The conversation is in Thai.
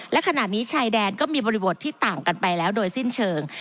และขณะนี้ชายแดนก็มีบริบทที่ต่างกันไปแล้วโดยสิ้นเชิง